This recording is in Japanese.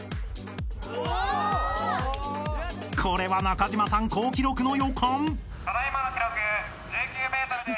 ［これは中島さん好記録の予感！］